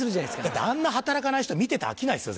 だってあんな働かない人見てて飽きないですよ